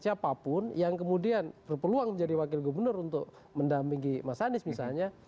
siapapun yang kemudian berpeluang menjadi wakil gubernur untuk mendampingi mas anies misalnya